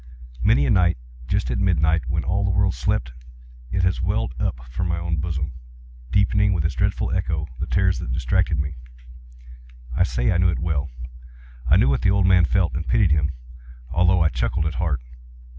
Many a night, just at midnight, when all the world slept, it has welled up from my own bosom, deepening, with its dreadful echo, the terrors that distracted me. I say I knew it well. I knew what the old man felt, and pitied him, although I chuckled at heart.